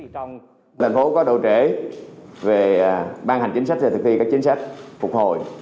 thành phố có độ trễ về ban hành chính sách và thực hiện các chính sách phục hồi